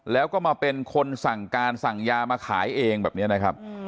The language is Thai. แล้วก็มาเป็นคนสั่งการสั่งยามาขายเองแบบนี้นะครับ